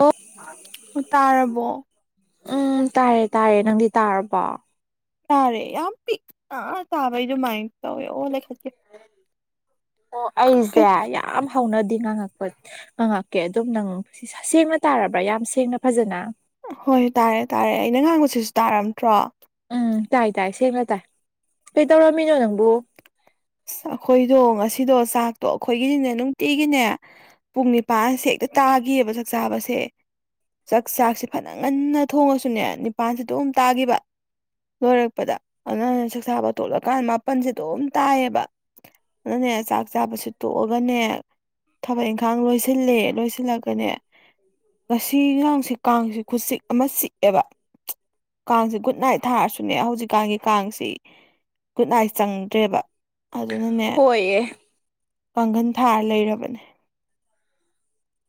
ꯑꯣ ꯇꯥꯔꯕꯣ ꯎꯝ ꯇꯥꯔꯦ ꯇꯥꯔꯦ ꯅꯪꯗꯤ ꯇꯥꯔꯕꯣ ꯇꯥꯔꯦ ꯌꯥꯝ ꯄꯤꯛꯅ ꯇꯥꯕꯩꯗꯨꯃꯥꯏꯟ ꯇꯧꯋꯦ ꯑꯣ ꯂꯩꯈꯠꯀꯦ ꯑꯣ ꯑꯩꯁꯦ ꯌꯥꯝ ꯍꯧꯎꯅꯗꯤ ꯉꯥꯡꯉꯛꯄꯅꯦ ꯉꯥꯡꯉꯛꯀꯦ ꯑꯗꯨꯝ ꯅꯪ ꯁꯦꯡꯅ ꯇꯥꯔꯕ꯭ꯔꯥ ꯌꯥꯝ ꯁꯦꯡꯅ ꯐꯖꯅ ꯍꯣꯏ ꯇꯥꯔꯦ ꯇꯥꯔꯦ ꯑꯩꯅ ꯉꯥꯡꯕꯁꯤꯁꯨ ꯇꯥꯔꯝꯗ꯭ꯔꯣ ꯎꯝ ꯇꯥꯏ ꯇꯥꯏ ꯁꯦꯡꯅ ꯇꯥꯏ ꯀꯩ ꯇꯧꯔꯝꯃꯤꯅꯣ ꯅꯪꯕꯨ ꯑꯁ ꯑꯩꯈꯣꯏꯗꯣ ꯉꯁꯤꯗꯣ ꯆꯥꯛꯇꯣ ꯑꯩꯈꯣꯏꯒꯤꯗꯤꯅꯦ ꯅꯨꯡꯇꯤꯒꯤꯅꯦ ꯄꯨꯡ ꯅꯤꯄꯥꯟꯁꯦ ꯍꯦꯛꯇ ꯇꯥꯒꯤꯑꯦꯕ ꯆꯥꯛꯆꯥꯕꯁꯦ ꯆꯥꯛ ꯆꯥꯛꯁꯤ ꯐꯅ ꯉꯟꯅ ꯊꯣꯡꯉꯁꯨꯅꯦ ꯅꯤꯄꯥꯥꯟꯁꯤ ꯑꯗꯨꯝ ꯇꯥꯈꯤꯕ ꯂꯣꯏꯔꯛꯄꯗ ꯑꯗꯨꯅ ꯆꯥꯛꯁꯥꯕ ꯇꯣꯠꯂꯀꯥꯟ ꯃꯥꯄꯜꯁꯦ ꯑꯗꯨꯝ ꯇꯥꯏꯌꯦꯕ ꯑꯗꯨꯅꯦ ꯆꯥꯛ ꯆꯥꯕꯁꯦ ꯇꯣꯛꯑꯒꯅꯦ ꯊꯕꯛ ꯏꯪꯈꯥꯡ ꯂꯣꯏꯁꯤꯜꯂꯦ ꯂꯣꯏꯁꯤꯜꯂꯒꯅꯦ ꯉꯁꯤ ꯉꯥꯡꯁꯤ ꯀꯥꯡꯁꯤ ꯈꯨꯆꯤꯛ ꯑꯃ ꯆꯤꯛꯑꯦꯕ ꯀꯥꯡꯁꯤ ꯒꯨꯠ ꯅꯥꯏꯠ ꯊꯥꯔꯁꯨꯅꯦ ꯍꯧꯖꯤꯛꯀꯥꯟꯒꯤ ꯀꯥꯡꯁꯤ ꯒꯨꯗ ꯅꯥꯏꯠ ꯆꯪꯗ꯭ꯔꯦꯕ ꯑꯗꯨꯅꯅꯦ ꯍꯣꯏꯌꯦ ꯄꯥꯡꯒꯜ ꯊꯥꯔ ꯂꯩꯔꯕꯅꯦ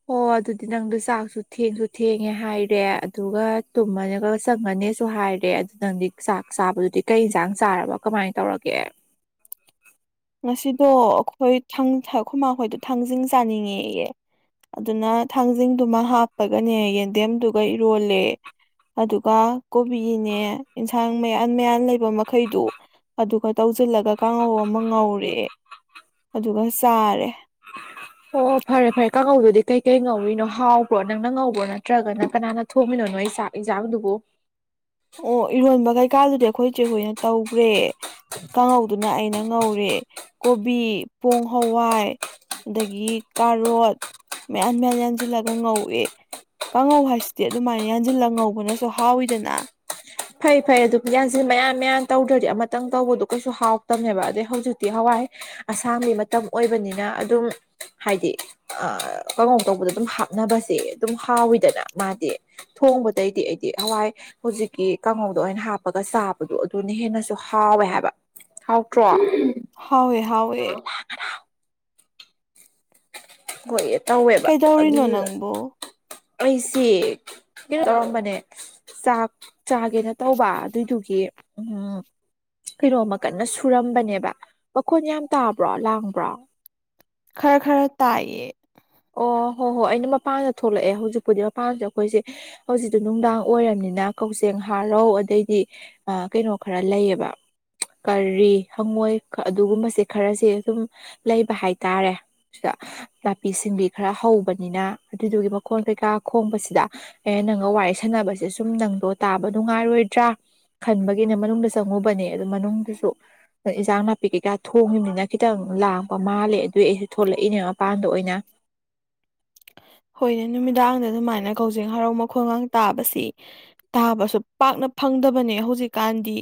ꯍꯣ ꯑꯗꯨꯗꯤ ꯅꯪꯗꯣ ꯆꯥꯛꯁꯨ ꯊꯦꯡꯁꯨ ꯊꯦꯡꯉꯦ ꯍꯥꯏꯔꯦ ꯑꯗꯨꯒ ꯇꯨꯝꯃꯅꯒ ꯆꯪꯉꯅꯤꯁꯨ ꯍꯥꯏ ꯔꯦ ꯑꯗꯨ ꯅꯪꯗꯤ ꯆꯥꯛ ꯆꯥꯕꯗꯨꯗꯤ ꯀꯩ ꯏꯟꯁꯥꯡ ꯆꯥꯔꯕ ꯀꯃꯥꯏꯅ ꯇꯧꯔꯒꯦ ꯉꯁꯤꯗꯣ ꯑꯩꯈꯣꯏ ꯊꯪ ꯈꯨꯃꯥꯈꯣꯏꯗꯣ ꯊꯥꯡꯖꯤꯡ ꯆꯥꯅꯤꯡꯉꯦꯌꯦ ꯑꯗꯨꯅ ꯊꯥꯡꯖꯤꯡꯗꯨꯃ ꯍꯥꯞꯄꯒꯅꯦ ꯌꯦꯟꯗꯦꯝꯗꯨꯒ ꯏꯔꯣꯜꯂꯦ ꯑꯗꯨꯒ ꯀꯣꯕꯤꯅꯦ ꯑꯦꯟꯁꯥꯡ ꯃꯌꯥꯟ ꯃꯌꯥꯟ ꯂꯩꯕ ꯃꯈꯩꯗꯨ ꯑꯗꯨꯒ ꯇꯧꯖꯤꯜꯂꯒ ꯀꯥꯡꯍꯧ ꯑꯃ ꯉꯧꯔꯦ ꯑꯗꯨꯒ ꯆꯥꯔꯦ ꯑꯣ ꯐꯔꯦ ꯐꯔꯦ ꯀꯪꯍꯧꯗꯨꯗꯤ ꯀꯩ ꯀꯩ ꯉꯧꯔꯤꯅꯣ ꯍꯥꯎꯕ꯭ꯔꯣ ꯅꯪꯅ ꯉꯧꯕ꯭ꯔꯣ ꯅꯠꯇ꯭ꯔꯒꯅ ꯀꯅꯥꯅ ꯊꯣꯡꯃꯤꯟꯅꯣ ꯅꯣꯏ ꯆꯥꯛ ꯏꯟꯖꯥꯡꯗꯨꯕꯨ ꯑꯣ ꯏꯔꯣꯟꯕ ꯀꯩꯀꯥꯗꯨꯗꯤ ꯑꯩꯈꯣꯏ ꯆꯦ ꯍꯨꯣꯏꯅ ꯇꯧꯒꯔꯦ ꯀꯥꯡꯍꯧꯗꯨꯅ ꯑꯩꯅ ꯉꯧꯔꯦ ꯀꯣꯕꯤ ꯄꯣꯡ ꯍꯋꯥꯏ ꯑꯗꯒꯤ ꯀꯥꯔꯣꯠ ꯃꯌꯥꯟ ꯃꯌꯥꯟ ꯌꯥꯟꯁꯤꯜꯂꯒ ꯉꯧꯋꯦ ꯀꯥꯡꯉꯧ ꯍꯥꯏꯁꯤꯗꯤ ꯑꯗꯨꯃꯥꯏꯅ ꯌꯥꯟꯖꯤꯜꯂ ꯉꯧꯕꯅꯁꯨ ꯍꯥꯎꯋꯤꯗꯅ ꯐꯩ ꯐꯩ ꯑꯗꯨ ꯌꯥꯟꯁꯤꯟ ꯃꯌꯥꯟ ꯃꯌꯥꯟ ꯇꯧꯗ꯭ꯔꯗꯤ ꯑꯃꯇꯪ ꯇꯧꯕꯗꯣ ꯀꯩꯁꯨ ꯍꯥꯎꯇꯕꯅꯦꯕ ꯑꯗꯩ ꯍꯧꯖꯤꯛꯇꯤ ꯍꯋꯥꯏ ꯑꯁꯥꯝꯃꯤ ꯃꯇꯝ ꯑꯣꯏꯕꯅꯤꯅ ꯑꯗꯨꯝ ꯍꯥꯏꯗꯤ ꯑ ꯀꯪꯉꯧ ꯇꯧꯕꯗ ꯑꯗꯨꯝ ꯍꯥꯞꯅꯕꯁꯦ ꯑꯗꯨꯝ ꯍꯥꯎꯋꯤꯗꯅ ꯃꯥꯗꯤ ꯊꯣꯡꯕꯗꯩꯗꯤ ꯑꯩꯗꯤ ꯍꯋꯥꯏ ꯍꯧꯖꯤꯛ ꯒꯤ ꯀꯥꯡꯍꯧꯗ ꯑꯣꯏꯅ ꯍꯥꯞꯄꯒ ꯆꯥꯕꯗꯣ ꯑꯗꯨꯅ ꯍꯦꯟꯅꯁꯨ ꯍꯥꯎꯋꯦ ꯍꯥꯏꯕ ꯍꯥꯎꯇ꯭ꯔꯣ ꯍꯥꯎꯋꯦ ꯍꯥꯎꯋꯦ ꯍꯣꯏꯌꯦ ꯇꯧꯋꯦꯕ ꯀꯩꯗꯧꯔꯤꯅꯣ ꯑꯗꯨꯗꯨꯗ ꯅꯪꯕꯨ ꯑꯩꯁꯤ ꯀꯩ ꯇꯧꯔꯝꯕꯅꯦ ꯆꯥꯛ ꯆꯥꯒꯦꯅ ꯇꯧꯕ ꯑꯗꯨꯏꯗꯨꯒꯤ ꯎꯝ ꯀꯩꯅꯣꯝꯃ ꯀꯟꯅ ꯁꯨꯔꯝꯕꯅꯦꯕ ꯃꯈꯣꯟ ꯌꯥꯝ ꯇꯥꯕ꯭ꯔꯣ ꯂꯥꯡꯕ꯭ꯔꯣ ꯈꯔ ꯈꯔ ꯇꯥꯏꯌꯦ ꯑꯣ ꯍꯣ ꯍꯣꯏ ꯑꯩꯅ ꯃꯄꯥꯟꯗ ꯊꯣꯛꯂꯛꯑꯦ ꯍꯧꯖꯤꯛꯄꯨꯗꯤ ꯃꯄꯥꯟꯁꯦ ꯑꯩꯈꯣꯏꯁꯦ ꯍꯧꯖꯤꯛꯇꯣ ꯅꯨꯡꯗꯥꯡ ꯑꯣꯏꯔꯕꯝꯅꯤꯅ ꯀꯛꯆꯦꯡ ꯍꯥꯔꯧ ꯑꯗꯩꯗꯤ ꯑ ꯀꯩꯅꯣ ꯈꯔ ꯂꯩꯌꯦꯕ ꯀꯔꯤ ꯍꯉꯣꯏ ꯑꯗꯨꯒꯨꯝꯕꯁꯦ ꯈꯔꯁꯦ ꯑꯗꯨꯝ ꯂꯩꯕ ꯍꯥꯏꯇꯥꯔꯦ [inaudible] ꯅꯥꯄꯤ ꯁꯤꯡꯕꯤ ꯈꯔ ꯍꯧꯕꯅꯤꯅ ꯑꯗꯨꯏꯗꯨꯒꯤ ꯃꯈꯣꯟ ꯀꯩꯀꯥ ꯈꯣꯡꯕꯁꯤꯗ ꯑꯦ ꯅꯪꯒ ꯋꯥꯔꯤ ꯁꯥꯟꯅꯕꯁꯦ ꯁꯨꯝ ꯅꯪꯗꯣ ꯇꯥꯕ ꯅꯨꯡꯉꯥꯏꯔꯣꯏꯗ꯭ꯔꯥ ꯈꯟꯕꯒꯤꯅꯦ ꯃꯅꯨꯡꯗ ꯆꯪꯉꯨꯕꯅꯦ ꯑꯗꯨ ꯃꯅꯨꯡꯗꯁꯨ ꯏꯟꯁꯥꯡ ꯅꯥꯄꯤ ꯀꯩꯀꯥ ꯊꯣꯡꯉꯕꯅꯤꯅ ꯈꯤꯇꯪ ꯂꯥꯡꯕ ꯃꯥꯜꯂꯦ ꯑꯗꯨꯏ ꯑꯩꯁꯨ ꯊꯣꯂꯛꯏꯅꯦ ꯃꯄꯥꯟꯗ ꯑꯣꯏꯅ ꯍꯣꯏꯅꯦ ꯅꯨꯃꯤꯗꯥꯡꯗ ꯑꯗꯨꯃꯥꯏꯅ ꯀꯖꯤꯡ ꯍꯔꯥꯎ ꯃꯈꯣꯡꯒ ꯇꯥꯕꯁꯤ ꯇꯥꯕꯁꯨ ꯄꯥꯛꯅ ꯐꯪꯗꯕꯅꯦ ꯍꯧꯖꯤꯛꯀꯥꯟꯗꯤ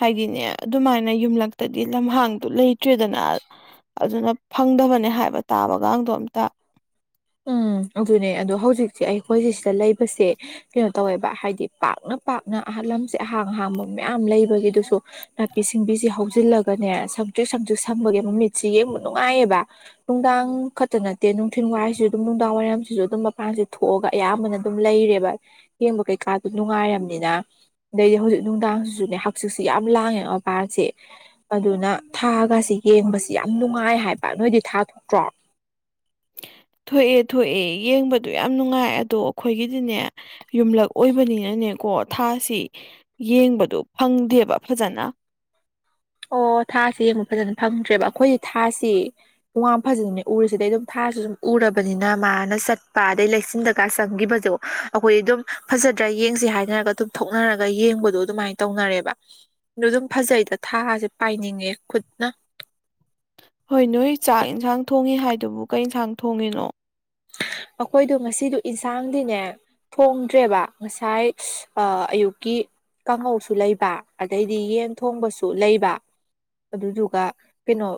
ꯍꯥꯏꯗꯤꯅꯦ ꯑꯗꯨꯃꯥꯏꯅ ꯌꯨꯝꯂꯛꯇꯗꯤ ꯂꯝꯍꯥꯡꯗꯨ ꯂꯩꯇ꯭ꯔꯦꯗꯅ ꯑꯗꯨꯅ ꯐꯪꯗꯕꯅꯦ ꯍꯥꯏꯕ ꯇꯥꯕꯒꯗꯣ ꯑꯝꯇ ꯎꯝ ꯑꯗꯨꯅꯦ ꯑꯗꯣ ꯍꯧꯖꯤꯛꯁꯦ ꯑꯩꯈꯣꯏꯁꯤꯦ ꯁꯤꯗ ꯂꯩꯕꯁꯦ ꯀꯩꯅꯣ ꯇꯧꯋꯦꯕ ꯍꯥꯏꯗꯤ ꯄꯥꯛꯅ ꯄꯥꯛꯅ ꯑꯍꯜ ꯂꯝꯁꯦ ꯑꯍꯥꯡ ꯑꯍꯥꯡꯕ ꯃꯌꯥꯝ ꯂꯩꯕꯒꯤꯗꯨꯁꯨ ꯅꯥꯄꯤ ꯁꯤꯡꯕꯤꯁꯤ ꯍꯧꯖꯤꯜꯂꯒꯅꯦ ꯁꯪꯇꯤꯛ ꯁꯪꯇ꯭ꯛ ꯁꯝꯕꯒꯤ ꯃꯃꯤꯠꯁꯤ ꯌꯦꯡꯕ ꯅꯨꯡꯉꯥꯏꯌꯦꯕ ꯅꯨꯡꯗꯥꯡ ꯈꯛꯇ ꯅꯠꯇꯦ ꯅꯨꯡꯊꯤꯟꯜ ꯋꯥꯏꯁꯨ ꯑꯗꯨꯝ ꯅꯨꯡꯗꯥꯡ ꯋꯥꯏꯔꯝꯁꯤꯁꯨ ꯑꯗꯨꯝ ꯃꯄꯥꯟꯁꯦ ꯊꯣꯛꯑꯒ ꯑꯌꯥꯝꯕꯅ ꯑꯗꯨꯝ ꯂꯩꯔꯦꯕ ꯌꯦꯡꯕ ꯀꯩꯀꯥꯗꯨ ꯅꯨꯡꯉꯥꯏꯔꯝꯅꯤꯅ ꯑꯗꯩꯗꯤ ꯍꯧꯖꯤꯛ ꯅꯨꯡꯗꯥꯡꯁꯤꯁꯨꯅꯦ ꯍꯛꯆꯤꯁꯦ ꯌꯥꯝ ꯂꯥꯡꯉꯦ ꯃꯕꯥꯁꯦ ꯑꯗꯨꯅ ꯊꯥꯒꯁꯤ ꯌꯦꯡꯕꯁꯤ ꯌꯥꯝ ꯅꯨꯡꯉꯥꯏ ꯍꯥꯏꯕ ꯅꯣꯏꯗꯤ ꯊꯥ ꯊꯣꯛꯣꯛꯇ꯭ꯔꯣ ꯊꯣꯛꯑꯦ ꯊꯣꯛꯑꯦ ꯌꯦꯡꯕꯗ ꯌꯥꯝ ꯅꯨꯡꯉꯥꯏ ꯑꯗꯣ ꯑꯩꯈꯣꯏꯒꯤꯗꯤꯅꯦ ꯌꯨꯝꯂꯛ ꯑꯣꯏꯕꯅꯤꯅꯅꯦ ꯀꯣ ꯊꯥꯁꯤ ꯌꯦꯡꯕꯗ ꯐꯪꯗꯦꯕ ꯐꯖꯅ ꯑꯣ ꯊꯥꯥꯁꯦ ꯌꯦꯡꯕ ꯐꯖꯅ ꯐꯪꯗ꯭ꯔꯦꯕ ꯑꯩꯈꯣꯏ ꯊꯥꯁꯦ ꯋꯥꯝ ꯐꯖꯅꯅꯦ ꯎꯔꯤꯁꯤꯗꯩ ꯑꯗꯨꯝ ꯊꯥꯔꯁꯨ ꯁꯨꯝ ꯎꯔꯕꯅꯤꯅ ꯃꯥꯅ ꯆꯠꯄ ꯑꯗꯩ ꯂꯩꯆꯤꯟꯗꯀ ꯆꯪꯈꯤꯕꯗꯣ ꯑꯩꯈꯣꯏ ꯑꯗꯨꯝ ꯐꯖꯗ꯭ꯔꯥ ꯌꯦꯡꯁꯤ ꯍꯥꯏꯅꯔꯒ ꯑꯗꯨꯝ ꯊꯣꯛꯅꯔꯒ ꯌꯦꯡꯕꯗꯣ ꯑꯗꯨꯃꯥꯏꯅ ꯇꯧꯅꯔꯦꯕ ꯑꯗꯨ ꯑꯗꯨꯝ ꯐꯖꯩꯗ ꯊꯥꯁꯦ ꯄꯥꯏꯅꯤꯡꯉꯦ ꯈꯨꯠꯅ ꯍꯣꯏ ꯅꯣꯏ ꯆꯥꯛ ꯑꯦꯟꯁꯥꯡ ꯊꯣꯡꯉꯤ ꯍꯥꯏꯗꯨꯕꯨ ꯀꯩ ꯏꯟꯁꯥꯡ ꯊꯣꯡꯉꯤꯅꯣ ꯑꯩꯈꯣꯏꯗꯣ ꯉꯁꯤꯗ ꯌꯦꯟꯁꯥꯡꯗꯤꯅꯦ ꯊꯣꯡꯗ꯭ꯔꯦꯕ ꯉꯁꯥꯏ ꯑ ꯑꯌꯨꯛꯀꯤ ꯀꯥꯡꯉꯧꯁꯨ ꯂꯩꯕꯥ ꯑꯗꯩꯗꯤ ꯌꯦꯟ ꯊꯣꯡꯕꯁꯨ ꯂꯩꯕꯥ ꯑꯗꯨꯗꯨꯒ ꯀꯩꯅꯣ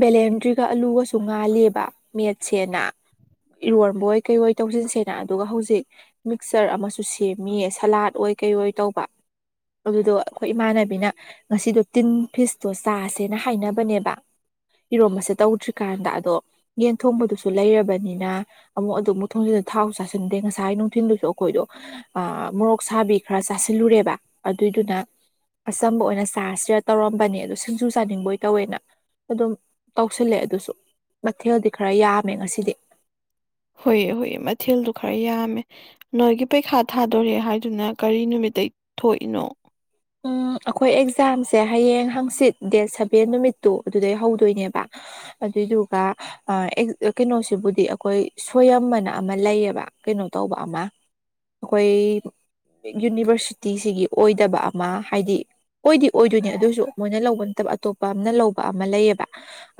ꯕꯦꯂꯦꯟꯗ꯭ꯔꯤꯒ ꯑꯂꯨꯒꯁꯨ ꯉꯥꯜꯂꯤꯕ ꯁꯦꯅ ꯏꯔꯣꯟꯕꯑꯣꯏ ꯀꯩꯑꯣꯣꯏ ꯇꯧꯖꯤꯟꯁꯦꯅ ꯑꯗꯨꯒ ꯍꯧꯖꯤꯛ ꯃꯤꯛꯆꯔ ꯑꯃꯁꯨ ꯁꯦꯝꯃꯤꯌꯦ ꯁꯂꯥꯗ ꯑꯣꯏ ꯀꯩ ꯑꯣꯏ ꯇꯧꯕ ꯑꯗꯨꯗꯣ ꯑꯩꯈꯣꯏ ꯏꯃꯥꯟꯅꯕꯤꯅ ꯉꯁꯤꯗꯣ ꯇꯤꯟ ꯐꯤꯁꯇꯣ ꯆꯥꯁꯦꯅ ꯍꯥꯏꯅꯕꯅꯦꯕ ꯏꯔꯣꯝꯕꯁꯦ ꯇꯧꯗ꯭ꯔꯤꯀꯥꯟꯗ ꯑꯗꯣ ꯌꯦꯟ ꯊꯣꯡꯕꯗꯨꯁꯨ ꯂꯩꯔꯕꯅꯤꯅ ꯑꯃꯨꯛ ꯑꯗꯨ ꯑꯃꯨꯛ ꯊꯣꯡꯖꯤꯜꯂ ꯊꯥꯎꯁꯨ ꯆꯥꯁꯤꯟꯗꯦ ꯉꯁꯥꯏ ꯅꯨꯡꯊꯤꯤꯟꯗꯨꯁꯨ ꯑꯩꯈꯣꯏꯗꯣ ꯑ ꯃꯣꯔꯣꯛ ꯁꯥꯕꯤ ꯈꯔ ꯆꯥꯁꯤꯜꯂꯨꯔꯦꯕ ꯑꯗꯨꯏꯗꯨꯅ ꯑꯆꯝꯕ ꯑꯣꯏꯅ ꯆꯥꯔꯁꯤꯔ ꯇꯧꯔꯝꯕꯅꯦ ꯑꯗꯨ ꯁꯤꯡꯖꯨ ꯆꯥꯅꯤꯡꯕꯣꯏ ꯇꯧꯋꯦꯅ ꯑꯗꯨꯝ ꯇꯧꯁꯤꯜꯂꯦ ꯑꯗꯨꯁꯨ ꯃꯊꯦꯜꯗꯤ ꯈꯔ ꯌꯥꯝꯃꯦ ꯉꯁꯤꯗꯤ ꯍꯣꯏ ꯍꯣꯏ ꯃꯊꯦꯜꯗꯣ ꯈꯔ ꯌꯥꯝꯃꯦ ꯅꯣꯏꯒꯤ ꯄꯩꯈꯥ ꯊꯥꯗꯣꯔꯦ ꯍꯥꯏꯗꯨꯅ ꯀꯔꯤ ꯅꯨꯃꯤꯠꯇꯇꯩ ꯊꯣꯛꯏꯅꯣ ꯎꯝ ꯑꯩꯈꯣꯏ ꯑꯦꯛꯖꯥꯝꯁꯦ ꯍꯌꯦꯡ ꯍꯪꯆꯤꯠ ꯗꯦꯠ ꯁꯚꯦꯟ ꯅꯨꯃꯤꯠꯇꯨ ꯑꯗꯨꯗꯩ ꯍꯧꯗꯣꯏꯅꯦꯕ ꯑꯗꯨꯏꯗꯨꯒꯥ ꯑ ꯀꯩꯅꯣꯁꯤꯕꯨꯗꯤ ꯑꯩꯈꯣꯏ ꯁꯋꯥꯌꯝꯅ ꯑꯃ ꯂꯩꯌꯦꯕ ꯀꯩꯅꯣ ꯇꯧꯕ ꯑꯃ ꯑꯩꯈꯣꯏ ꯌꯨꯅꯤꯚꯔꯁꯤꯇꯤꯁꯤꯒꯤ ꯑꯣꯏꯗꯕ ꯃꯥ ꯍꯥꯏꯗꯤ ꯑꯣꯏꯗꯤ ꯑꯣꯏꯗꯣꯏꯅꯦ ꯑꯗꯨꯏꯁꯨ ꯃꯣꯏꯅ ꯂꯧꯕ ꯅꯠꯇꯕ ꯑꯇꯣꯞꯄ ꯑꯝꯅ ꯂꯧꯕ ꯑꯃ ꯂꯩꯌꯦꯕ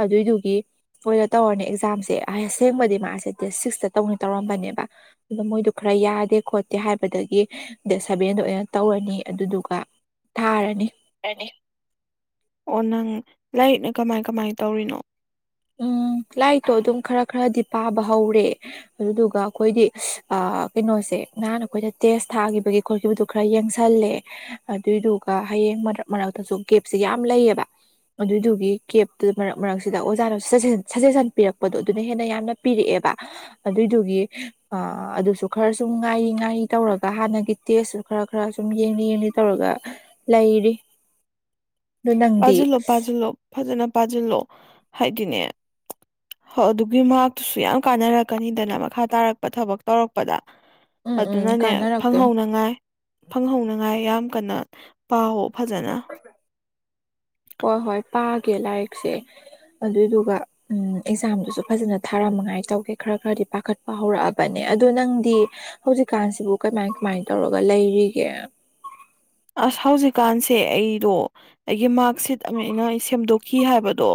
ꯑꯗꯨꯏꯗꯨꯒꯤ ꯃꯣꯏꯗ ꯇꯧꯔꯅꯤ ꯑꯦꯛꯖꯥꯝꯁꯦ ꯑꯁꯦꯡꯕꯗꯤ ꯃꯥꯁꯦ ꯗꯦꯠ ꯁꯤꯛꯁꯇ ꯇꯧꯅꯤ ꯇꯧꯔꯝꯕꯅꯦꯕ ꯑꯗ ꯃꯣꯏꯗꯨ ꯈꯔ ꯌꯥꯗꯦ ꯈꯣꯠꯇꯦ ꯍꯥꯏꯕꯗꯒꯤ ꯗꯦꯠ ꯁꯚꯦꯟꯗꯣ ꯑꯣꯏꯅ ꯇꯧꯔꯅꯤ ꯑꯗꯨꯗꯨꯒ ꯊꯥꯔꯅꯤ ꯑꯣ ꯅꯪ ꯂꯥꯏꯔꯤꯛꯅ ꯀꯃꯥꯏ ꯀꯃꯥꯏ ꯇꯧꯔꯤꯅꯣ ꯎꯝ ꯂꯥꯏꯇꯣ ꯑꯗꯨꯝ ꯈꯔ ꯈꯔꯗꯤ ꯄꯥꯕ ꯍꯧꯔꯦ ꯑꯗꯨꯗꯨꯒ ꯑꯩꯈꯣꯏꯗꯤ ꯑ ꯀꯩꯅꯣꯁꯦ ꯅꯍꯥꯟꯅ ꯑꯩꯈꯣꯏꯗ ꯇꯦꯁ ꯊꯥꯈꯤꯕꯒꯤ ꯈꯣꯠꯈꯤꯕꯗꯨ ꯈꯔ ꯌꯦꯡꯁꯜꯂꯦ ꯍ ꯑꯗꯨꯏꯗꯨꯒ ꯍꯌꯦꯡ ꯃꯔꯛ ꯃꯔꯛꯇꯁꯨ ꯒꯦꯞꯁꯦ ꯌꯥꯝ ꯂꯩꯑꯕ ꯑꯗꯨꯏꯗꯨꯒꯤ ꯀꯦꯞꯇꯨꯗ ꯃꯔꯛ ꯃꯔꯛꯁꯤꯗ ꯑꯣꯖꯥꯅ ꯁꯖꯦꯁꯟ ꯁꯖꯦꯁꯟ ꯄꯤꯔꯛꯄꯗꯣ ꯑꯗꯨꯅ ꯍꯦꯟꯅ ꯌꯥꯝꯅ ꯄꯤꯔꯛꯑꯦꯕ ꯑꯗꯨꯏꯗꯨꯒꯤ ꯑ ꯑꯗꯨꯁꯨ ꯈꯔ ꯁꯨꯝ ꯉꯥꯏꯔꯤ ꯉꯥꯏꯔꯤ ꯇꯧꯔꯒ ꯍꯥꯟꯅꯒꯤ ꯇꯦꯁꯁꯨ ꯈꯔ ꯈꯔ ꯁꯨꯝ ꯌꯦꯡꯅꯤ ꯌꯦꯡꯅꯤ ꯇꯧꯔꯒ ꯂꯩꯔꯤ ꯑꯗꯨ ꯅꯪꯗꯤ ꯄꯥꯖꯤꯜꯂꯣ ꯄꯥꯖꯤꯜꯂꯣ ꯐꯖꯅꯥ ꯄꯥꯖꯤꯜꯂꯣ ꯍꯥꯏꯗꯤꯅꯦ ꯍ ꯑꯗꯨꯒꯤ ꯃꯍꯥꯛꯇꯨꯁꯨ ꯌꯥꯝ ꯀꯥꯟꯅꯔꯛꯀꯅꯤꯗꯅ ꯃꯈꯥ ꯇꯥꯔꯛꯄ ꯊꯕꯛ ꯇꯧꯔꯛꯄꯗ ꯎꯝ ꯎꯝ ꯑꯗꯨꯅꯅꯦ ꯀꯥꯟꯅꯔꯛꯇꯣꯏ ꯐꯪꯍꯧꯅꯉꯥꯏ ꯐꯪꯍꯧꯅꯉꯥꯏ ꯌꯥꯝ ꯀꯟꯅ ꯄꯥꯍꯧ ꯐꯖꯅ ꯍꯣꯏ ꯍꯣꯏ ꯄꯥꯒꯦ ꯂꯥꯏꯔꯤꯛꯁꯦ ꯑꯗꯨꯏꯗꯨꯒ ꯎ ꯑꯦꯛꯖꯥꯝꯗꯨꯁꯨ ꯐꯖꯅ ꯊꯥꯔꯝꯃꯉꯥꯏ ꯇꯧꯒꯦ ꯈꯔ ꯈꯔꯗꯤ ꯄꯥꯈꯠꯄ ꯍꯧꯔꯛꯑꯕꯅꯦ ꯑꯗꯣ ꯅꯪꯗꯤ ꯍꯧꯖꯤꯛꯀꯥꯟꯁꯤꯕꯨ ꯀꯃꯥꯏ ꯀꯃꯥꯏ ꯇꯧꯔꯒ ꯂꯩꯔꯤꯒꯦ ꯑꯁ ꯍꯧꯖꯤꯛꯀꯥꯟꯁꯦ ꯑꯩꯗꯣ ꯑꯩꯒꯤ ꯃꯥ ꯁꯤꯠ ꯑꯃ ꯑꯩꯅ ꯑꯩ ꯁꯦꯝꯗꯣꯛꯈꯤ ꯍꯥꯏꯕꯗꯣ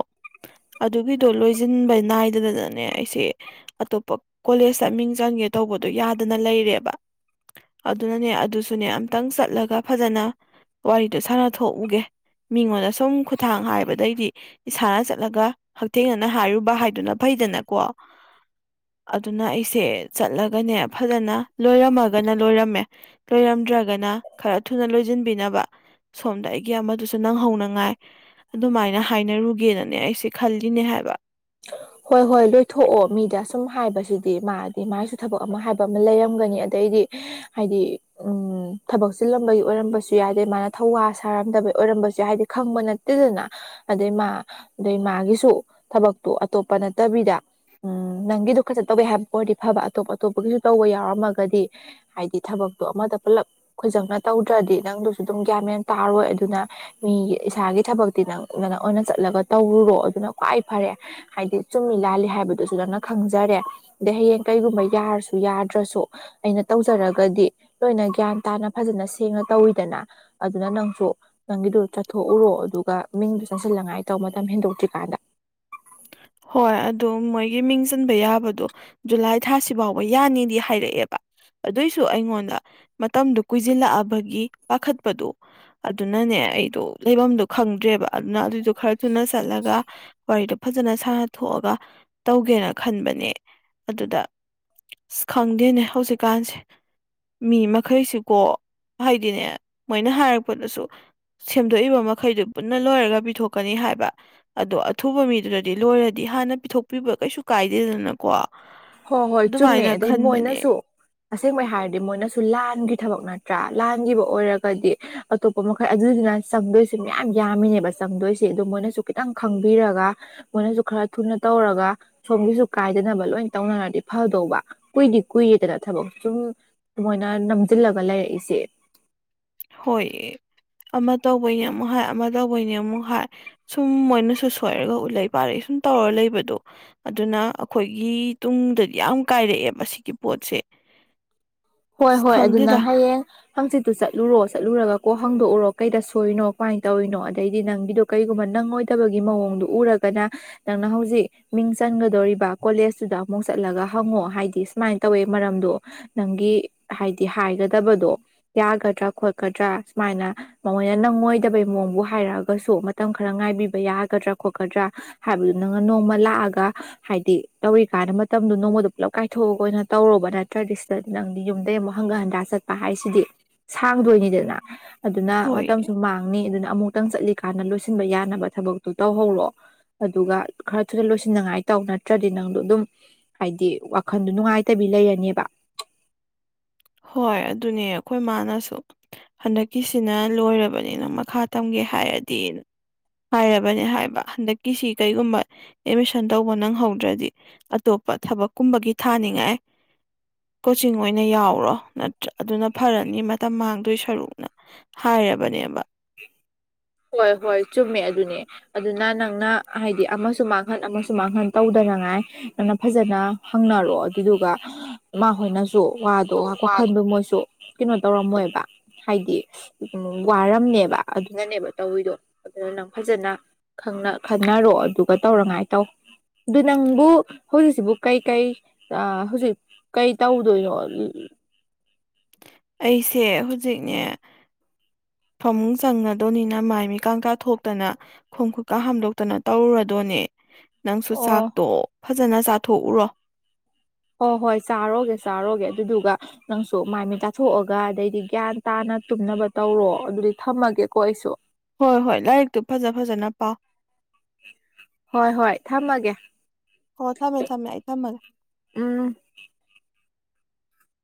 ꯑꯗꯨꯒꯤꯗꯣ ꯂꯣꯏꯁꯤꯟꯕ ꯅꯥꯏꯗꯗꯅꯅꯦ ꯑꯩꯁꯦ ꯑꯇꯣꯞꯄ ꯀꯣꯂꯦꯖꯇ ꯃꯤꯡ ꯆꯟꯒꯦ ꯇꯧꯕꯗꯣ ꯌꯥꯗꯅ ꯂꯩꯔꯦꯕ ꯑꯗꯨꯅꯅꯦ ꯑꯗꯨꯁꯨꯅꯦ ꯑꯝꯇꯪ ꯆꯠꯂꯒ ꯐꯖꯅ ꯋꯥꯔꯤꯗꯣ ꯁꯥꯟꯅꯊꯣꯛꯎꯒꯦ ꯃꯤꯉꯣꯟꯗ ꯁꯨꯝ ꯈꯨꯊꯥꯡ ꯍꯥꯏꯕꯗꯩꯗꯤ ꯏꯁꯥꯅ ꯆꯠꯂꯒ ꯍꯛꯊꯦꯡꯅꯅ ꯍꯥꯏꯔꯨꯕ ꯍꯥꯏꯗꯨꯅ ꯐꯩꯗꯅꯀꯣ ꯑꯗꯨꯅ ꯑꯩꯁꯦ ꯆꯠꯂꯒꯅꯦ ꯐꯖꯅ ꯂꯣꯏꯔꯝꯃꯒꯅ ꯂꯣꯏꯔꯝꯃꯦ ꯂꯣꯏꯔꯝꯗ꯭ꯔꯒꯅ ꯈꯔ ꯊꯨꯅ ꯂꯣꯏꯁꯤꯟꯕꯤꯅꯕ ꯁꯣꯝꯗ ꯑꯩꯒꯤ ꯑꯃꯗꯨ ꯨ ꯅꯪ ꯍꯧꯅꯉꯥꯏ ꯑꯗꯨꯃꯥꯏꯅ ꯍꯥꯏꯅꯔꯨꯒꯦꯅꯅꯦ ꯑꯩꯁꯦ ꯈꯜꯂꯤꯅꯦ ꯍꯥꯏꯕ ꯍꯣꯏ ꯍꯣꯏ ꯂꯣꯏꯊꯣꯛꯑꯣ ꯃꯤꯗ ꯁꯨꯝ ꯍꯥꯏꯕꯁꯤꯗꯤ ꯃꯥꯗꯤ ꯃꯥꯒꯤꯁꯨ ꯊꯕꯛ ꯑꯃ ꯍꯥꯏꯕ ꯑꯃ ꯂꯩꯔꯝꯒꯅꯤ ꯑꯗꯩꯗꯤ ꯍꯥꯏꯗꯤ ꯎꯝ ꯊꯕꯛ ꯆꯤꯜꯂꯝꯕꯒꯤ ꯑꯣꯏꯔꯝꯕꯁꯨ ꯌꯥꯏꯗꯦ ꯃꯥꯅ ꯊꯧꯋꯥ ꯁꯥꯔꯝꯗꯕꯩ ꯑꯣꯏꯔꯝꯕꯁꯨ ꯌꯥꯏꯗꯗꯤ ꯈꯪꯕ ꯅꯦ ꯗꯨꯗꯨꯅꯥ ꯑꯗꯩ ꯃꯥ ꯑꯗꯩ ꯃꯥꯒꯤꯁꯨ ꯊꯕꯛꯇꯣ ꯑꯇꯣꯞꯄ ꯅꯠꯇꯕꯤꯗ ꯎꯝ ꯅꯪꯒꯤꯗꯣ ꯈꯖ ꯇꯧꯋꯦ ꯍꯥꯏꯕ ꯄ ꯑꯣꯏꯔꯗꯤ ꯐꯕ ꯑꯇꯣꯞ ꯑꯇꯣꯞꯄꯒꯤꯁꯨ ꯇꯧꯕ ꯌꯥꯎꯔꯝꯃꯒꯗꯤ ꯍꯥꯏꯗꯤ ꯊꯕꯛꯇꯣ ꯑꯃꯗ ꯄꯨꯂꯞ ꯈꯣꯏꯖꯪꯅ ꯇꯧꯗ꯭ꯔꯗꯤ ꯅꯪꯗꯨꯁꯨ ꯑꯗꯨꯝ ꯒ꯭ꯌꯥꯟ ꯃꯦꯟꯟ ꯇꯥꯔꯣꯏ ꯑꯗꯨꯅ ꯃꯤꯒꯤ ꯏꯁꯥꯒꯤ ꯊꯕꯛꯇꯤ ꯅꯪ ꯅ ꯅꯪ ꯑꯣꯏꯅ ꯆꯠꯂꯒ ꯇꯧꯔꯨꯔꯣ ꯑꯗꯨꯅ ꯈ꯭ꯋꯥꯏ ꯐꯔꯦ ꯍꯥꯏꯗꯤ ꯆꯨꯝꯃꯤ ꯂꯥꯜꯂꯤ ꯍꯥꯏꯕꯗꯨꯁꯨ ꯅꯅ ꯈꯪꯖꯔꯦ ꯑꯗꯩ ꯍꯌꯦꯡ ꯀꯩꯒꯨꯝꯕ ꯌꯥꯔꯁꯨ ꯌꯥꯗ꯭ꯔꯁꯨ ꯑꯩꯅ ꯇꯧꯖꯔꯒꯗꯤ ꯂꯣꯏꯅ ꯒ꯭ꯌꯥꯟ ꯇꯥꯅ ꯐꯖꯅ ꯁꯦꯡꯅ ꯇꯧꯋꯤꯗꯅ ꯑꯗꯨꯅ ꯅꯪꯁꯨ ꯅꯪꯒꯤꯗꯨꯣ ꯆꯠꯊꯣꯛꯎꯔꯣ ꯑꯗꯨꯒ ꯃꯤꯡꯗ ꯆꯪꯁꯤꯟꯂꯉꯥꯏ ꯇꯧ ꯃꯇꯝ ꯍꯦꯟꯗꯣꯛꯇ꯭ꯔꯤꯀꯥꯟꯗ ꯍꯣꯏ ꯑꯗꯨ ꯃꯣꯏꯒꯤ ꯃꯤꯡ ꯆꯟꯕ ꯌꯥꯕꯗꯣ ꯖꯨꯂꯥꯏ ꯊꯥꯁꯤ ꯐꯥꯎꯕ ꯌꯥꯅꯤꯗꯤ ꯍꯥꯏꯔꯛꯑꯦꯕ ꯑꯗꯨꯏꯁꯨ ꯑꯩꯉꯣꯟꯗ ꯃꯇꯝꯗꯨ ꯀꯨꯏꯖꯤꯜꯂꯛꯑꯕꯒꯤ ꯄꯥꯈꯠꯄꯗꯣ ꯑꯗꯨꯅꯅꯦ ꯑꯩꯗꯣ ꯂꯩꯕꯝꯗꯣ ꯈꯪꯗ꯭ꯔꯦꯕ ꯑꯗꯨꯅ ꯑꯗꯨꯏꯗꯣ ꯈꯔ ꯊꯨꯅ ꯆꯠꯂꯒ ꯋꯥꯔꯤꯗꯣ ꯐꯖꯅ ꯁꯥꯥꯟꯅꯊꯣꯛꯑꯒ ꯇꯧꯒꯦꯅ ꯈꯟꯕꯅꯦ ꯑꯗꯨꯗ ꯑꯁ ꯈꯪꯗꯦꯅꯦ ꯍꯧꯖꯤꯛꯀꯥꯟꯁꯦ ꯃꯤ ꯃꯈꯩꯁꯤꯀꯣ ꯍꯥꯏꯗꯤꯅꯦ ꯃꯣꯏꯅ ꯍꯥꯏꯔꯛꯄꯗꯁꯨ ꯁꯦꯝꯗꯣꯛꯏꯕ ꯃꯈꯩꯗꯨ ꯄꯨꯟꯅ ꯂꯣꯏꯔꯒ ꯄꯤꯊꯣꯛꯀꯅꯤ ꯍꯥꯏꯕ ꯑꯗꯣ ꯑꯊꯨꯕ ꯃꯤꯗꯨꯗ ꯗꯤ ꯂꯣꯏꯔꯗꯤ ꯍꯥꯟꯅ ꯄꯤꯊꯣꯛꯄꯤꯕ ꯀꯩꯁꯨ ꯀꯥꯏꯗꯦꯗꯅꯀꯣ ꯍꯣꯏ ꯍꯣꯏ ꯆꯨꯝꯃꯦ ꯑꯗꯨꯃꯥꯏꯅ ꯑꯗꯩ ꯈꯟꯕꯅꯦ ꯃꯣꯏꯅꯁꯨ ꯑꯁꯦꯡꯕꯩ ꯍꯥꯏꯔꯗꯤ ꯃꯣꯏꯅꯁꯨ ꯂꯥꯟꯒꯤ ꯊꯕꯛ ꯅꯠꯇ꯭ꯔꯥ ꯂꯥꯟꯈꯤꯕ ꯑꯣꯏꯔꯒꯗꯤ ꯑꯇꯣꯞꯄ ꯃꯈꯜ ꯑꯗꯨꯗꯨꯅ ꯆꯪꯗꯣꯏꯁꯦ ꯃꯌꯥꯝ ꯌꯥꯝꯃꯤꯅꯦꯕ ꯆꯪꯗꯣꯏꯁꯦ ꯑꯗꯨ ꯃꯣꯏꯅꯁꯨ ꯈꯤꯇꯪ ꯈꯪꯕꯤꯔꯒ ꯃꯣꯏꯅꯁꯨ ꯈꯔ ꯊꯨꯅ ꯇꯧꯔꯒ ꯁꯣꯝꯒꯤꯁꯨ ꯀꯥꯏꯗꯅꯕ ꯂꯣꯏ ꯇꯧꯅꯔꯗꯤ ꯐꯗꯧꯕ ꯀꯨꯏꯗꯤ ꯀꯨꯏꯔꯦꯗꯅ ꯊꯕꯛ ꯁꯨꯝ ꯃꯣꯏꯅ ꯅꯝꯖꯤꯜꯂꯒ ꯂꯩꯔꯛꯏꯁꯦ ꯍꯣꯏ ꯑꯃ ꯇꯧꯕꯩꯅꯦ ꯑꯃꯨꯛ ꯍꯥꯏ ꯑꯃ ꯇꯧꯕꯩꯅꯦ ꯑꯃꯨꯛ ꯍꯥꯏ ꯁꯨꯝ ꯃꯣꯏꯅꯁꯨ ꯁꯣꯏꯔꯒ ꯎꯠꯂꯩ ꯄꯥꯂꯩ ꯁꯨꯝ ꯇꯧꯔ ꯂꯩꯕꯗꯣ ꯑꯗꯨꯅ ꯑꯩꯈꯣꯏꯒꯤ ꯇꯨꯡꯗꯗꯤ ꯌꯥꯝ ꯀꯥꯏꯔꯛꯑꯦꯕ ꯑꯁꯤꯒꯤꯒꯤ ꯄꯣꯠꯁꯦ ꯍꯣꯏ ꯑꯁ ꯍꯣꯏ ꯑꯗꯨꯅ ꯈꯪꯗꯦꯗ ꯍꯌꯦꯡ ꯍꯪꯆꯤꯠꯇꯨ ꯆꯠꯂꯨꯔꯣ ꯆꯠꯂꯨꯔꯒ ꯀꯣ ꯍꯪꯗꯣꯛꯎꯔꯣ ꯀꯩꯗ ꯁꯣꯏꯔꯤꯅꯣ ꯀꯃꯥꯏꯅ ꯇꯧꯔꯤꯅꯣ ꯑꯗꯩꯗꯤ ꯅꯪꯒꯤꯗꯣ ꯀꯔꯤꯒꯨꯝꯕ ꯅꯪꯉꯣꯏꯗꯕꯒꯤ ꯃꯑꯣꯡꯗꯨꯣ ꯎꯔꯒꯅ ꯅꯪꯅ ꯍꯧꯖꯤꯛ ꯃꯤꯡ ꯆꯟꯒꯗꯧꯔꯤꯕ ꯀꯣꯂꯦꯁꯇꯨꯗ ꯑꯃꯨꯛ ꯆꯠꯂꯒ ꯍꯪꯉꯣ ꯍꯥꯏꯗꯤ ꯁꯨꯃꯥꯏꯅ ꯇꯧꯋꯦ ꯃꯔꯝꯗꯣ ꯅꯪꯒꯤ ꯍꯥꯏꯗꯤ ꯍꯥꯏꯒꯗꯕꯗꯣ ꯌꯥꯒꯗ꯭ꯔꯥ ꯈꯣꯠꯀꯗ꯭ꯔꯥ ꯁꯨꯃꯥꯏꯅ ꯃꯃꯣꯏꯅ ꯅꯪꯉꯣꯏꯗꯕꯩ ꯃꯑꯣꯡꯕꯨ ꯍꯥꯏꯔꯛꯑꯒꯁꯨ ꯃꯇꯝ ꯈꯔ ꯉꯥꯏꯕꯤꯕ ꯌꯥꯒꯗ꯭ꯔꯥ ꯈꯣꯠꯀꯗ꯭ꯔꯥ ꯍꯥꯏꯕꯗꯨ ꯅꯪꯅ ꯅꯣꯡꯃ ꯂꯥꯛꯑꯒ ꯍꯥꯏꯗꯤ ꯇꯧꯔꯤꯀꯥꯟꯗ ꯃꯇꯝꯗꯣ ꯅꯣꯡꯃꯗ ꯄꯨꯂꯞ ꯀꯥꯏꯊꯣꯛꯑꯒ ꯑꯣꯏꯅ ꯇꯧꯔꯣꯕ ꯅꯠꯇ꯭ꯔꯗꯤ ꯁꯤꯗ ꯅꯪ ꯌꯨꯝꯗꯩ ꯑꯃꯨꯛ ꯍꯪꯒ ꯍꯟꯗꯥ ꯆꯠꯄ ꯍꯥꯏꯁꯤꯗꯤ ꯁꯥꯡꯗꯣꯏꯅꯤꯗꯅ ꯑꯗꯨꯅ ꯍꯣꯏ ꯃꯇꯝꯁꯨ ꯃꯥꯡ ꯅꯤ ꯑꯗꯨꯅ ꯑꯃꯨꯛꯇꯪ ꯆꯠꯂꯤꯀꯥꯟꯗ ꯂꯣꯏꯁꯤꯟꯕ ꯌꯥꯅꯕ ꯊꯕꯛꯇꯣ ꯇꯧꯍꯧꯔꯣ ꯑꯗꯨꯒ ꯈꯔ ꯊꯨꯅ ꯂꯣꯏꯁꯤꯟꯅꯤꯡꯉꯥꯏ ꯇꯧ ꯅꯠꯇ꯭ꯔꯗꯤ ꯅꯪꯗꯣ ꯑꯗꯨꯝ ꯍꯥꯏꯗꯤ ꯋꯥꯈꯟꯗ ꯅꯨꯡꯉꯥꯏꯇꯕꯤ ꯂꯩꯔꯅꯦꯕ ꯍꯣꯏ ꯑꯗꯨꯅꯦ ꯑꯩꯈꯣꯏ ꯃꯥꯅꯁꯨ ꯍꯟꯗꯛꯀꯤꯁꯤꯅ ꯂꯣꯏꯔꯕꯅꯤꯅ ꯃꯈꯥ ꯇꯝꯒꯦ ꯍꯥꯏꯔꯗꯤ ꯍꯥꯏꯔꯕꯅꯦ ꯍꯥꯏꯕ ꯍꯟꯗꯛꯀꯤꯁꯤ ꯀꯔꯤꯒꯨꯝꯕ ꯑꯦꯠꯃꯤꯁꯟ ꯇꯧꯕ ꯅꯪꯍꯧꯗ꯭ꯔꯗꯤ ꯑꯇꯣꯞꯄ ꯊꯕꯛ ꯀꯨꯝꯕꯒꯤ ꯊꯥꯅꯤꯡꯉꯥꯏ ꯀꯣꯆꯤꯡ ꯑꯣꯏꯅ ꯌꯥꯎꯔꯣ ꯅꯠꯇ꯭ꯔꯥ ꯑꯗꯨꯅ ꯐꯔꯅꯤ ꯃꯇꯝ ꯃꯥꯡꯗꯣꯏ ꯁꯔꯨꯛꯅ ꯍꯥꯏꯔꯕꯅꯦꯕ ꯍꯣꯏ ꯍꯣꯏ ꯆꯨꯝꯃꯦ ꯑꯗꯨꯅꯦ ꯑꯗꯨꯅ ꯅꯪꯅ ꯍꯥꯏꯗꯤ ꯑꯃꯁꯨ ꯃꯥꯡꯍꯟ ꯑꯃꯁꯨ ꯃꯥꯡꯍꯟ ꯇꯧꯗꯅꯉꯥꯏ ꯅꯪꯅ ꯐꯖꯅ ꯍꯪꯅꯔꯛꯑꯣ ꯑꯗꯨꯏꯗꯨꯒ ꯃꯥ ꯍꯣꯏꯅꯁꯨ ꯋꯥꯗꯣ ꯋꯥꯈꯟꯗꯣ ꯃꯣꯏꯁꯨ ꯀꯩꯅꯣ ꯇꯧꯔꯝꯃꯣꯏꯕ ꯍꯥꯏꯗꯤ ꯀ ꯋꯥꯔꯝꯅꯦꯕ ꯑꯗꯨꯅꯅꯦꯕ ꯇꯧꯋꯤꯗꯣ ꯑꯗꯨꯅ ꯅꯪ ꯐꯖꯅ ꯈꯪꯅ ꯈꯟꯅꯔꯣ ꯑꯗꯨꯒ ꯇꯧꯔꯉꯥꯏ ꯇꯧ ꯑꯗꯨ ꯅꯪꯕꯨ ꯍꯧꯖꯤꯛꯁꯤꯕꯨ ꯀꯩꯀꯩ ꯍꯧꯖꯤꯛ ꯀꯩ ꯇꯧꯗꯣꯏꯅꯣ ꯑꯩꯁꯦ ꯍꯨꯖꯤꯛꯅꯦ ꯐꯃꯨꯡ ꯆꯪꯉꯗꯣꯅꯤꯅ ꯃꯥꯏ ꯃꯤ ꯀꯥꯡꯀꯥ ꯊꯣꯛꯇꯅ ꯈꯣꯡ ꯈꯨꯠꯀꯥ ꯍꯥꯝꯗꯣꯛꯇꯅ ꯇꯧꯔꯨꯔꯗꯣꯅꯦ ꯅꯪꯁꯨ ꯑꯣ ꯆꯥꯛꯇꯣ ꯐꯖꯅ ꯆꯥꯊꯣꯛꯎꯔꯣ ꯍꯣꯏ ꯍꯣꯏ ꯆꯥꯔꯣꯒꯦ ꯆꯥꯔꯣꯒꯦ ꯑꯗꯨꯗꯨꯒ ꯅꯪꯁꯨ ꯃꯥꯏꯃꯤꯠ ꯇꯥꯊꯣꯛꯑꯒ ꯑꯗꯩꯗꯤ ꯒ꯭ꯌꯥꯟ ꯇꯥꯅ ꯇꯨꯝꯅꯕ ꯇꯧꯔꯣ ꯑꯗꯨꯗꯤ ꯊꯝꯃꯒꯦꯀꯣ ꯑꯩꯁꯨ ꯍꯣꯏ ꯍꯣꯏ ꯂꯥꯏꯔꯤꯛꯇꯨ ꯐꯖ ꯐꯖꯅ ꯄꯥꯎ ꯍꯣꯏ ꯍꯣꯏ ꯊꯝꯃꯒꯦ ꯍꯣ ꯊꯝꯃꯦ ꯊꯝꯃꯦ ꯑꯩ ꯊꯝꯃꯒꯦ ꯎꯝ